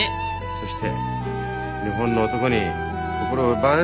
そして日本の男に心を奪われるな！